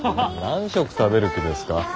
何食食べる気ですか？